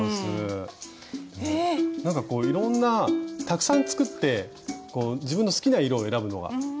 なんかこういろんなたくさん作ってこう自分の好きな色を選ぶのが。